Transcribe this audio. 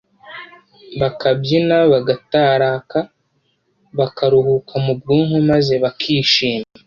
bakabyina bagataraka, bakaruhuka mu bwonko, maze bakishima.